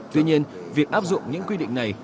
tuy nhiên việc áp dụng những quy định này